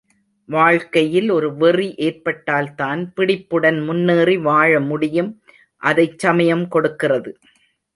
வாழ்க்கையில் ஒரு வெறி ஏற்பட்டால்தான் பிடிப்புடன் முன்னேறி வாழமுடியும் அதைச் சமயம் கொடுக்கிறது.